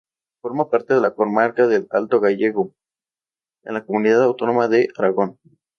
Forma parte de la comarca del Alto Gállego, en la comunidad autónoma de Aragón.